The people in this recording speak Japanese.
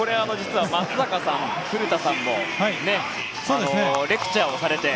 松坂さん、古田さんもレクチャーをされて。